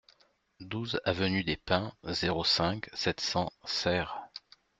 douze avenue des Pins, zéro cinq, sept cents, Serres